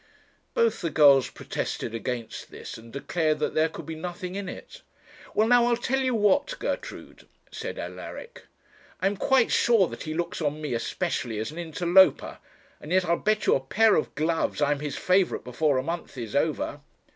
Both the girls protested against this, and declared that there could be nothing in it. 'Well, now, I'll tell you what, Gertrude,' said Alaric, 'I am quite sure that he looks on me, especially, as an interloper; and yet I'll bet you a pair of gloves I am his favourite before a month is over.'